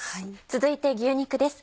続いて牛肉です。